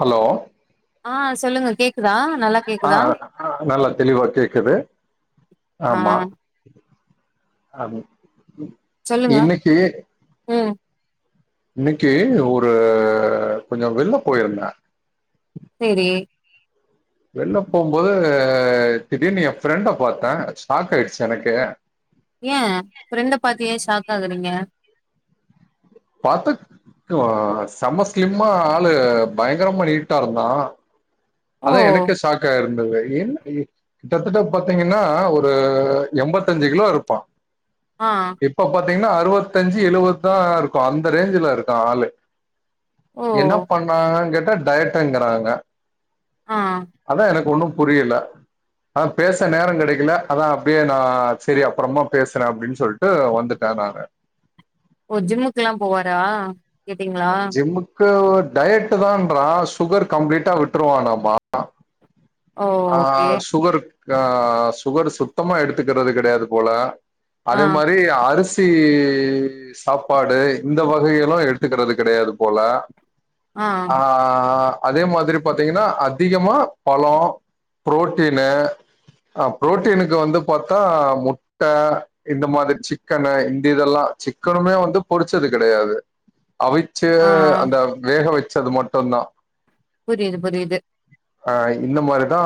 Hello ஆ சொல்லுங்க கேக் ஆ நல்லா தெளிவா கேக்குது ஆ ஆமா ஆமா ம் சொல்லுங்க ம் இன்னைக்கு ஒரு கொஞ்சோ வெள்ல போயிருந்த செரி வெள்ல போம்போது திடீர்னு எ ஃபிரெண்ட பாத்த ஷாக் ஆயிடுச்சு எனக்கு ஏ ஃப்ரெண்ட பாத்து ஏ ஷாக் ஆகுறீங்க பாத்தக் ஆ செம்ம ஸ்லிம்மா ஆளு பயங்கரமா நீட்டாருந்தா ஓ! அதா எனக்கே ஷாக்கா இருந்தது என் ஏ கிட்டத்தட்ட பாத்தீங்கன்னா ஒரு எம்பத்தஞ்சு கிலோ இருப்பா ஆ இப்ப பாத்தீங்கன்னா அறுவத்தஞ்சி எழுவதா இருக்கோ அந்த ரேஞ்ச்ல இருக்கா ஆளு ஓ! என்னா பண்ணாங்கன்னு கேட்டா டயட்டுங்குறாங்க ஆ அதா எனக்கு ஒன்னு புரியல அதா பேச நேரொ கெடைக்கல அதா அப்டியே நா சரி அப்றமா பேசறே அப்டின்னு சொல் ட்டு வந்துட்டே நானு ஒ ஜிம்முக்கெல்லா போவாரா கேட்டீங்களா? ஜிம்முக்கு டயட்டு தான்றா சுகர் கம்ப்ளீட்டா விட்டுருவானாம்மா ஓ! ஆ ஓகே. சுகர்க் ஆ சுகர் சுத்தமா எடுத்துக்கறது கெடையாது போல ஆ. அதே மாரி அரிச் சி சாப்பாடு இந்த வகைகளு எடுத்துக்கறது கெடையாது போல ஆ அதே மாதிரி பாத்தீங்கன்னா அதிகமா பழோ புரோட்டீனு அ புரோட்டீனுக்கு வந்து பாத்தா முட்ட இந்த மாதிரி சிக்கனு இந்திதெல்லா சிக்கனுமே வந்து பொரிச்சது கெடையாது அவி சே ஆ. அந்த வேக வச்சது மட்டுந்தா புரியுது புரியுது ஆ இந்த மாரிதா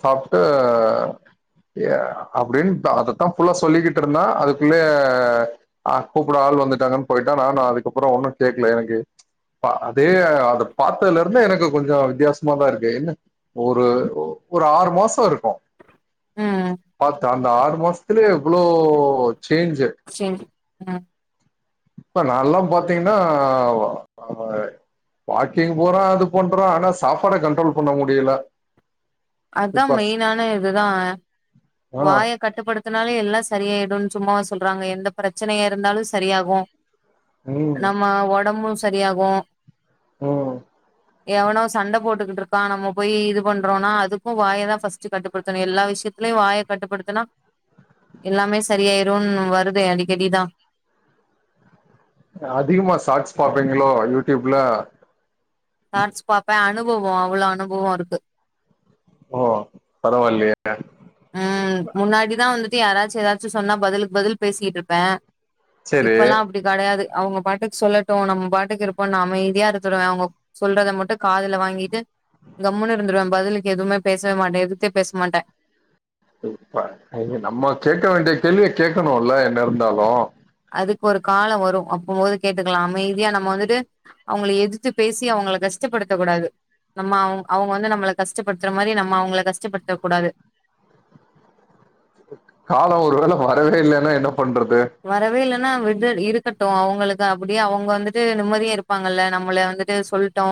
சாப்ட்டு ய அப்டின்ட்டு அதத்தா ஃபுல்லா சொல்லிக்கிட் இருந்தா அதுக்குள்ளயே ஆ கூப்ட ஆள் வந்துட்டாங்கன்னு போயிட்டா நானு அதுக்கப்றோ ஒன்னு கேக்கல எனக்கு பா அதே அத பாத்ததுல இருந்து எனக்கு கொஞ்சோ வித்தியாச மாதா இருக்கு என்ன ஒரு ஒரு ஆறு மாசோ இருக்கு ம். பாத்து அந்த ஆறு மாசத்துலயே இவ்ளோ சேஞ்சு சேஞ்ச் ஆ இப்ப நால்லா பாத்தீங்கன்னா வ அபாய் வாக்கிங் போறோ அது பண்றோ ஆனா சாப்பாட கண்ட்ரோல் பண்ண முடியல அதா இப்ப மெயினான இதுதா ஆ வாய கட்டுப்படுத்துனாலே எல்லா சரியாயிடுன்னு சும்மாவா சொல்றாங்க எந்த பிரச்சனையா இருந்தாலு சரியாகு ம் நம்ம ஒடம்பு சரியாகு ம் எவனோ சண்ட போட்டுக்குட்ருக்கா நம்ம போய் இது பண்றோனா அதுக்கு வாய தா ஃபர்ஸ்ட் கட்டுப்படுத்தணு எல்லா விஷயத் அதுலயு வாய கட்டுப்படுத்துனா எல்லாமே சரியாயிருன்னு வருதே அடிக்கடிதா அதிகமா சாட்ஸ் பாப்பீங்களோ யூடியூப்ல சார்ட்ஸ் பாப்பே அனுபவோ அவ்ளோ அனுபவோ இருக்கு ஓ பரவா இல்லயே ம் முன்னாடிதா வந்துட்டு யாராச்சு ஏதாச்சு சொன்னா பதிலுக்கு பதில் பேசிகிட் இருப்பே சரி இப்பெல்லா அப்டி கெடையாது அவங்க பாட்டுக்கு சொல்லட்டு நம்ம பாட்டுக்கு இருப்போன்னு நா அமைதியா இருத்துருவே அவங்க சொல்றத மட்டு காதுல வாங்கீட்டு கம்முன்னு இருந்துருவே பதிலுக்கு எதுவுமே பேசவே மாட்டே எதுத்தே பேச மாட்டே எப்பா ஐயோ நம்ம கேக்க வேண்டிய கேள்விய கேட்கணுல என்ன இருந்தாலு அதுக்கு ஒரு காலோ வரு அப்பம்போது கேட்டுக்கலா அமைதியா நம்ம வந்துட்டு அவங்கள எதுத்து பேசி அவங்கள கஷ்டப்படுத்த கூடாது நம்ம அவுங் அவங்க வந்து நம்மள கஷ்டப்படுத்துற மாரி நம்ம அவங்கள கஷ்டப்படுத்த கூடாது காலோ ஒரு வேள வரவே இல்லேன்னா என்ன பண்றது வரவே இல்லன்னா விடட் இருக்கட்டு அவங்களுக்கு அப்டியே அவங்க வந்துட்டு நிம்மதியா இருப்பாங்கல்ல நம்மள வந்துட்டு சொல் டோ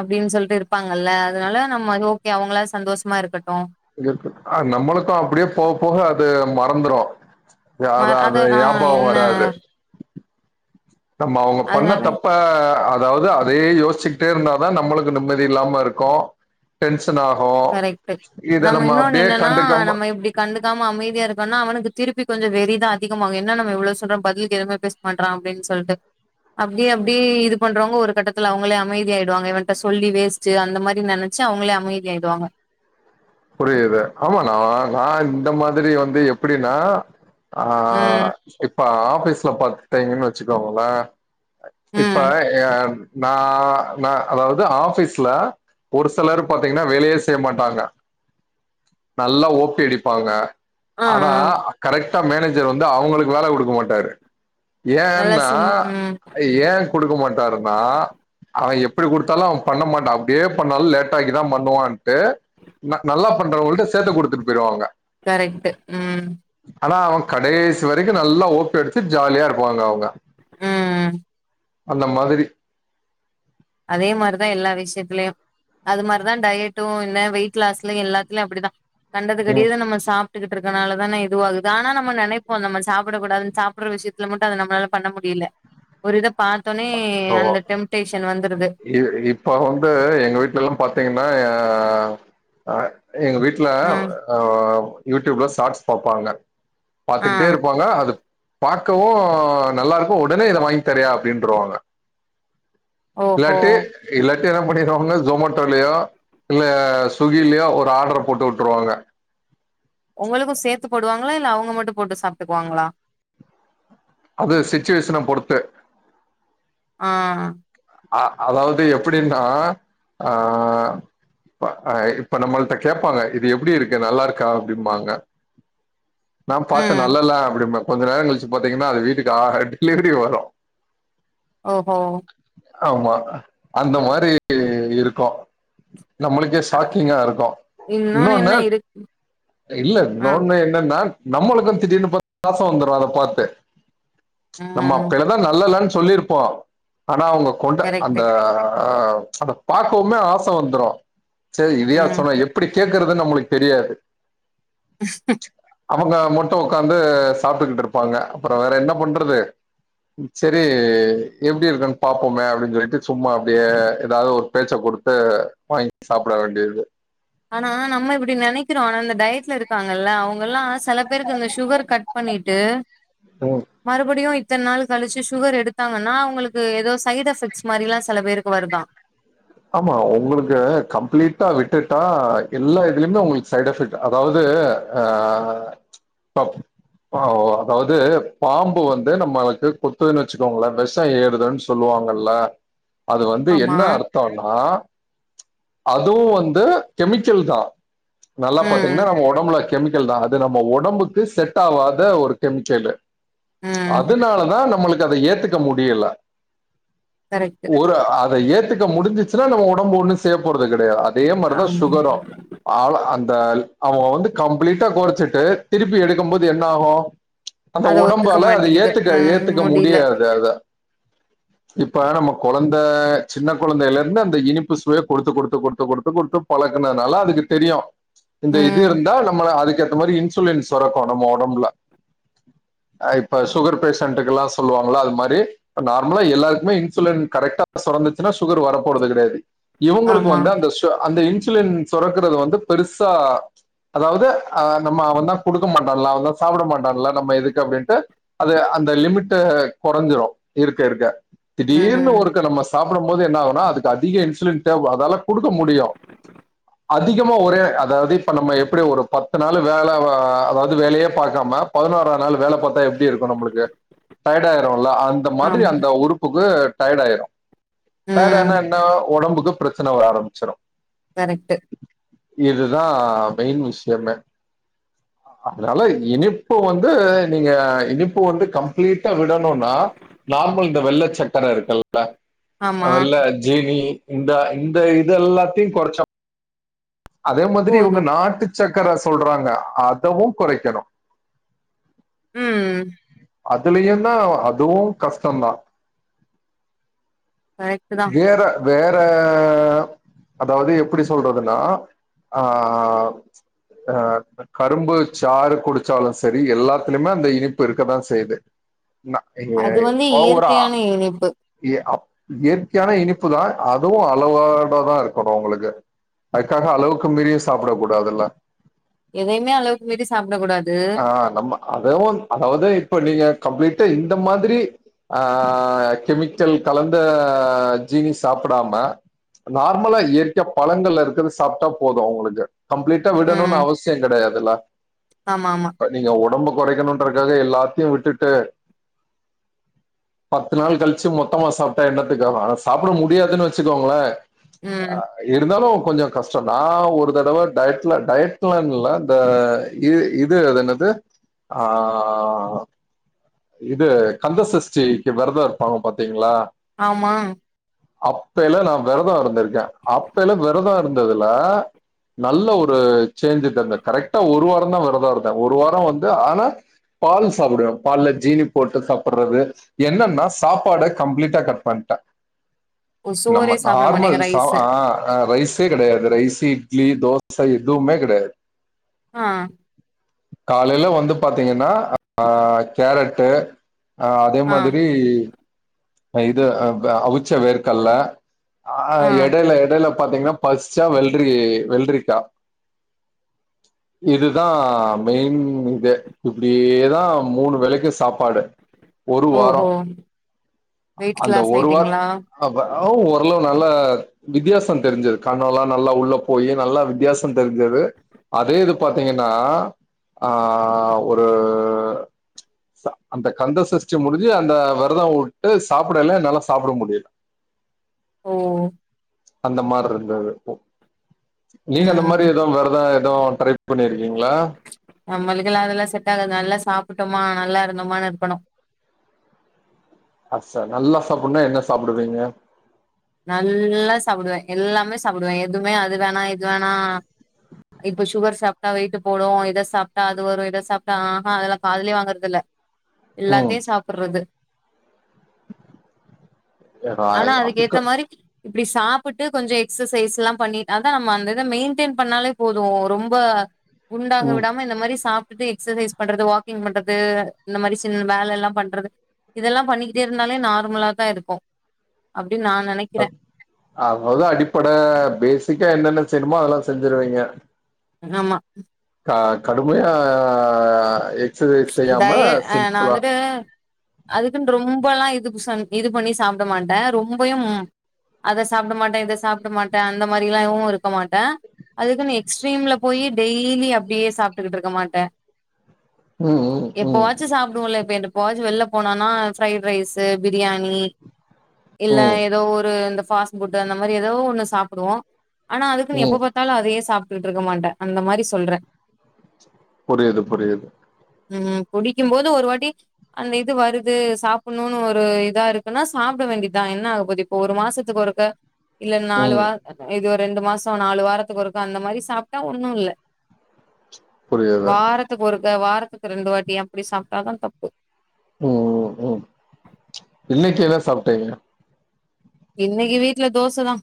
அப்டின்னு சொல்லிட்டு இருப்பாங்கல்ல அதனால நம்ம ஓகே அவங்களாது சந்தோஷமா இருக்கட்டு இருக்கட்டு அது நம்மளுக்கு அப்டியே போக போக அது மறந்துரு ம யார்ரா அத அது ஆ யாபகோ என்ன வராது நம்ம அவுங்க பண்ண அதனால தப் ப அதாவது அதயே யோசிச்சுக்கிட்டே இருந்தாதா நம்மளுக்கு நிம்மதி இல்லாம இருக்கு டென்ஷன் ஆகு கரெக்ட்டு இத நம்ம இன்னொன்னு அப்டியே என்னன்னா கண்டுக்காம நம்ம இப்டி கண்டுக்காம அமைதியா இருக்கோன்னா அவனுக்கு திருப்பி கொஞ்சோ வெறிதா அதிகமாகு என்ன நம்ம இவ்ளோ சொல்றோ பதிலுக்கு எதுமே பேச மாட்றா அப்டின்னு சொல்லிட்டு அப்டியே அப்டியே இது பண்றவங்க ஒரு கட்டத்துல அவங்களே அமைதி ஆயிடுவாங்க இவன்ட்ட சொல்லி வேஸ் ட் அந்த மாதிரி நெனச்சு அவங்களே அமைதி ஆயிடுவாங்க புரியுது ஆமா நா நா இந்த மாதிரி வந்து எப்டின்னா ஆ ம் இப்ப ஆபீஸ்ல பாத்தேங்கன்னு வச்சுக்கோங்களே இப்ப ம் ஏ நா நா அதாவது ஆபீஸ்ல ஒரு சிலர் பாத்தீங்கன்னா வேலயே செய்ய மாட்டாங்க நல்லா ஓப்பி அடிப்பாங்க ஆ ஆ ஆனா கரெக்டா மேனேஜர் வந்து அவுங்களுக்கு வேல குடுக்க மாட்டாரு நல்லா ஏன்னா சின் ம் ஏ குடுக்க மாட்டாருன்னா அவன் எப்டி குடுத்தாலு அவன் பண்ண மாட்டான் அப்டியே பண்ணாலு லேட்டாக்கி தா பண்ணுவான்ட்டு ந நல்லா பண்றவங்கள்ட்ட சேத்து குடுத்துட் போயிடுவாங்க கரெக்ட்டு ம் ஆனா அவுங் கடைசி வரைக்கு நல்லா ஓப்பி அடிச்சிட்டு ஜாலியா இருப்பாங்க அவுங்க ம் ம் அந்த மாதிரி அதே மார்தா எல்லா விஷயத்திலயு அது மார்தா டயட்டும் இல்ல வெயிட் லாஸ்லும் இல்ல இல்ல அப்படிதா ம் கண்டதுக்கடியது நம்ம சாப் ட்டு இருக்கறதுனால தான இது வாகுது ஆனா நம் ம நனைப்போ நம்ம சாப்பட கூடாதுனு சாப்பற விஷயத்தல மட்டு அத நம்மளால பண்ண முடில ஒரு இத பாத்தோனே அந்த டெம்டேஷன் வந்து இது இப்ப வந்து எங்க வீட்லல்லா பாத்தீங்ன்னா அ எங்க வீட் இல்ல ம் யூடியூப்ல ஷாட்ஸ் பாப்பாங்க ஆ பாத்துக்கிட்டே இருப்பாங்க அது பார்கவு நல்லா இருக்கு உடனே இத வாங்கி தரியா அப்டீன்றுவாங்க ஓஹோ இல்லாட்டி இல்லாட்டி என்ன பண்ணிருவாங்னா ஜொமேட்டோலயோ இல்ல ஸ்விகிலயோ ஒரு ஆர்டர போட்டுவுட்ருவாங்க உங்களுக்கு சேர்த்து போடுவாங்ளா இல்ல அவுங்க மட்டு போட்டு சாப்டுகுவாங்ளா அது சிச்சுவேஷன பொறுத்து ஆ அ அதாவது எப்டின்னா ஆ இப்ப நம்மள்ட்ட கேப்பாங்க இது எப்படி இருக்கு நல்லா இருக்கா அப்டிம்பாங்க [inaudible] நா பார்த்து ம் நல்லால்ல அப்டிம்ப கொஞ்ச நேரம் கழிச்சு பாத்தீங்கன்னா அது வீட்டுக்கு டெலிவரி வரு ஓஹோ அமா அந்த மாரி இருக்கு நம்மளுக்கே அ சாக்கிங்கா இருக்கு இன்னொன்னு என்ன இருக்கு இல்ல ஆ நோன்வே என்னன்னா நம்மளுக்கு திடீர்னு பாசம் வந்துரு அத பாரத்து நம்ம ம் பிள இப்பதா நல்லால்லனு சொல்லியிருப்போ அனா அவுங்க கொண்ட கரெக்ட்டு அந்த அ அத பாக்கவுமே ஆச வந்துரு செரி இதயா ம் சொன்ன எப்புடி கேக்குறதுன்னு நம்மளுக் தெரியாது ஸ்கம் அவுங்க மட்டு உக்காந்து சாப்டுட்டு இருப்பாங்க அப்புற வேற என்ன பண்றது செரி எப்டி இருக்கு பார்ப்போமே அப்டின்னு சொல்லிட்டு சும்மா அப்டியே ஏதாவது ஒரு பேச்ச குடுத்து வாங்கி சாப்பட வேண்டியது ஆனா நம்ம இப்படி நனைக்கிறோ ஆனா இந்த டயட்ல இருக்காங்கல்ல அவுங்கல்லா செல பேருக்கு இந்த சுகர் கட் பண்ணிட்டு ம் மறுபடியு இத்தன் நாள் கழிச்சு சுகர் எடுத்தாங்கன்னா அவுங்களுக்கு ஏதோ சைடு் எஃபெக்ட்ஸ் மாரில்லா சில பேருக்கு வருதா ஆமா உங்களுக்கு கம்ப்ளீட்டா விட்டுட்டா எல்லா இதுலயுமே உங்களுக்கு சைடு எஃபெக்ட் அதாவது அ அதாவது பாம்பு வந்து நம்மளுக்கு கொத்துதுன்னு வச்சுக்கோங்கள விஷம் ஏறுதுன் சொல்லுவாங்கல்ல அது வந்து என்ன ஆமா அர்த் த்தோனா அதுவு வந்து கெமிக்கல் தா நல்லா ம் பாத்தீங்னா நம்ம உடம்புல கெமிக்கல் தா அது நம்ம ஒடம்புக்கு செட் ஆவாத ஒரு கெமிக்கலு ம் அதுனாலதா நம்மளுக்கு அத ஏத்துக்க முடியல கரெக்ட்டு ஒரு அத ஏத்துக்க முடிஞ்சிச்சுன்னா நம்ம ஒடம்பு ஒண்ணு செய்யப் போறது கெடையாது அ அதே மாரிதா ஆமா சுகரு ஆல அந்த அவங்க வந்து கம்ப்ளீட்டா கொறச்சிட்டு திருப்பி எடுக்கும்போது என்ன ஆகு அந்த அத ஒத்துக்க ஒடம்பால அது மாட்டிக்குது ஏத்துக்க ம் ஏத்துக்க முடில முடியாது அத இப்ப நம்ம கொழந்த சின்ன கொழந்தைைல இருந்து அந்த இனிப்பு சுவை கொடுத்து கொடுத்து கொடுத்து கொடுத்து கொடுத்து பழக்கனதுனால அதுக்கு தெரியு இந்த இது ம் இருந்தா நம்ம அதுக்கு ஏத்த மாதிரி இன்சுலின் சொரக்கு நம்ம ஒடம்புல இப்ப சுகர் பேஷண்டுக்கு எல்லா சொல்லுவாங்கள அது மாரி இப்ப நார்மலா எல்லாருக்குமே இன்சுலின் கரெக்டா சொரந் சுனா சுகர் வர போறது கெடையாது இவங்களுக்கு ஆமா வந்து அந்த சு அந்த இன்சுலின் சொரக்கிறது வந்து பெருசா அதாவது ஆ நம்ம அவன் தா குடுக்க மாட்டான்லா அவன் தா சாப்ட மாட்டான்ல நம்ம எதுக்கு அப்டின்ட்டு அது அந்த லிமிட்டு கொறஞ்சிடு இருக்க இருக்க திடீர்னு ம் ஒருக்க நம்மஸ் சாப்பிடும்போது என்ன ஆகுனா அதுக்கு அதிக இன்சுலின் தேவ அதால குடுக்க முடியு அதிகமா ஒரே அதாவது இப்ப நம்ம எப்படி ஒரு பத்து நாள் வேல அதாவது வேலையே பாக்காம பதினோரா நாள் வேல பாத்தா எப்டி இருக்கு நம்மளுக்கு டயட் ஆயிரும்ல அந் அந்த மாதிரி ஆமா அந்த உறுப்புக்கு டயட் ஆயிரு டயட் ம் ஆனா என்ன ஒடம்புக்கு பிரச்சன வர ஆரம்பிச்சிரு கரெக்ட் இதுதா மெயின் விஷயமே அதனால இனிப்பு வந்து நீங்க இனிப்பு வந்து கம்ப்ளீட்டா விடணுனா நார்மல் இந்த வெள்ள சக்கர இருக்குல்ல ஆமா வெள்ள ஜீனி இந்த இந்த இத எல்லாத்தையு கொறச்சா அதே மாதிரி இவங்க போதும் நாட்டு சக்கர சொல்றாங்க அதவு கொறைக்கணு ம் அதுலயு தா அதுவு கஷ்டந்தா கரெக்ட் தான் வேற வேற அதாவது எப்படி சொல்றதுனா ஆ அ கரும்பு சாறு குடிச்சாலு சரி எல்லாத்துலயுமே அந்த இனிப்பு இருக்கதா செய்யுது ந ஏ அது வந்து ஓவரா இயற்கையான இனிப்பு ஏ அப் இயற்கையான இனிப்பு தா அதுவு அளவோட தா இருக்கணு உங்களுக்கு க்காக அளவுக்கு மீறியு சாப்ட கூடாதுல்ல எதையுமே அளவுக்கு மீறி சாப்ட கூடாது ஆ நம்ம அதவு அதாவது இப்ப நீங்க கம்ப்ளீட்டா இந்த மாதிரி அ கெமிக்கல் கலந்த ஜீனி சாப்டாம நார்மலா இயற்கையா பழங்கள இருக்கிற ச சாப்டா போது உங்களுக்கு கம்ப்ளீட்டா விடணுனு ம் அவசிய கிடையாதுல ஆமா ஆமா ப நீங்க ஒடம்பு கொறைக்கணுன்றக்காக எல்லாத்தையு விட்டுட்டு பத்து நாள் கழிச்சு மொத்தமா சாப்டா எண்ணத்துக்கு ஆகு ஆனா சாப்ட முடியாதுனு வச்சுக்கோங்கள அ ம் இருந்தாலு கொஞ்ச கஷ்டொ நா ஒரு தடவ டயட்ல டயட்ல இல்ல இந்த இது இது என்னது ஆ இது கந்த சஷ்டிக்கு வெரத இருப்பாங்க பாத்தீங்களா ஆமா அப்பய்லா நா வெரதோ இருந்திருக்கே அப்பய்லா வெரதோ இருந்ததுல நல்ல ஒரு சேஞ்சு தந்தே கரெக்டா ஒரு வாரோ தா வெரதோ இருந்தே ஒரு வாரோ வந்து ஆனா பால் சாப்டுவே பால்ல ஜீனி போட்டு சாப்புறது என்னன்னா சாப்பாட கம்ப்ளீட்டா கட் பண்ட்டே ஓ நம்ம சோறே சாப்பிட நார்மல் மாட்டீங்க சா ரைஸ் ஆ ரைஸ் ஸே கெடயாது ரைஸ்ஸு இட்லி தோச எதுவுமே கெடயாது ஆ காலைல வந்து பாத்தீங்கன்னா ஆ கேரெட்டு ஆ அதே ஆ மாதிரி ஆ இது அவ்வ அவிச்ச வேர்க்கல்ல ஆ எடைல எடைல பாத்தீங்ன்னா பசிச்சா வெள்ரி வெள்ரிக்கா இதுதா மெயின் இதே இப்டியேதா மூணு வேலைக்கு சாப்பாடு ஒரு வாரோ ஓஹோ வெயிட் அந்த லாஸ் ஒரு வார்‌ ஆயிட்டீங்களா அப ஆ ஓரளவு நல்ல வித்தியாசோ தெரிஞ்சுது கண்ணல்லா நல்லா உள்ள போய் நல்லா வித்தியாசோ தெரிஞ்சது அதே இது பாத்தீங்கன்னா ஆ ஒரு ச அந்த கந்த சஷ்டி முடிஞ்சு அந்த வெரதோ வு ட்டு சாப்டய்ல்ல என்னால சாப்ட முடில ஓ அந்த மார்ருந்தது நீங்க அந்த மாரி ம் எது வெரதோ எது ட்ரை பண்ணிருக்கீங்ளா நம்மளுக்கல்லா அதெல்லா செட்டாகாது நல்லா சாப்ட்டம்மா நல்லா இருந்தோமானு இருக்கணு ஆ ச நல்லா சாப்புனா என்ன சாப்டுவீங்க நல்லா சாப்டுவே எல்லாமே சாப்டுவே எதுமே அது வேணா இது வேணா இப்ப சுகர் சாப்ட்டா வெயிட்டு போடு இத சாப்ட்டா அது வரு இத சாப்ட்டா ஆஹா அதெல்லா காதுல வாங்குறதில்ல ம் எல்லாத்தையு சாப்புறது ஆனா ராய் அதுக்கேத்த அதுக்கு மாரி இப்டி சாப்பிட்டு கொஞ்சோ எக்ஸசைஸ்ல்லா பண்ணி அதா நம்ம அந்த இத மெய்ன்டெயின் பண்ணாலே போது ரொம்ப குண்டாக ம் விடாம இந்த மாரி சாப் ட்டு எக்ஸசைஸ் பண்றது வாக்கிங் பண்றது இந்த மாரி சின் வேலல்லா பண்றது இதெல்லா பண்ணிக்கிட்டே இருந்தாலே நார்மலா தா இருக்கு இது நான் ஆகமொத்தோ அடிப்பட பேஸிக்கா என்னென்ன செய்ணுமோ அதெல்லா செஞ்சுருவீங்க ஆமா க கடுமையா எக்ஸசைஸ் செய்யாம டய அ நா சிம்பிளா வந்துட்டு அதுக்குன்னு ரொம்பல்லா இது குசான் இது பண்ணி சாப்ட மாட்டே ரொம்பயும் அத சாப்ட மாட்டே இத சாப்ட மாட்டே அந்த மாரிலாவு இருக்க மாட்டே அதுக்குன்னு எக்ஸ்ட்ரீம்ல போய் டெய்லி அப்டியே சாப்ட்டுட்ருக்க மாட்டே [unintelligible] ம் எப்பவாச்சு சாப்டுவோல்ல இப்ப என்டப்பவாச்சு வெள்ல போனோனா ஃப்ரைட் ரைஸ்ஸு பிரியாணி இல்ல ம் எதோ ஒரு இந்த ஃபாஸ்ட் ஃபுட் அந்த மாரி எதோ ஒண்ணு சாப்டுவோ ஆனா அதுக்குனு ம் எப்பபா த்தாலு அதயே சாப்ட்டுட்ருக்க மாட்டே அந்த மாரி சொல்றே புரிது புரிது ம் புடிக்கும்போது ஒரு வாட்டி அந்த இது வருது சாப்ட்ணுனு ஒரு இதா இருக்குனா சாப்ட வேண்டியதா என்ன ஆகபோது ஒவ்வொரு மாசத்துக்கு ஒருக்க இல்ல நாலு ம் வா இது ஒரு ரெண்டு மாசம் நாலு வாரத்துக்கு ஒருக்க அந்த மாரி சாப்ட்டா ஒன்னு இல்ல புரியுது வாரத்துக்கு ஒருக்க, வாரத்துக்கு ரெண்டு வாட்டி அப்டி சாப்ட்டாதா தப்பு. ம் ம் இன்னைக்கு என்ன சாப்ட்டிங்க. இன்னைக்கு வீட்ல தோச தா.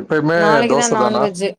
எப்பயுமே நாளைக்குதா தோசை தானா நான்வெஜ்ஜூ